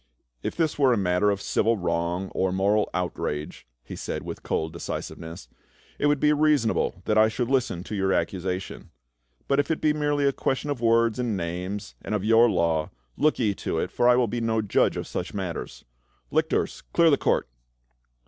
" If this were a matter of civil wrong or moral outrage," he said with cold decisiveness, " it would be reasonable that I should listen to your accusation ; but if it be merely a question of words and names, and of your law, look ye to it, for I will be no judge of such matters. — Lictors, clear the court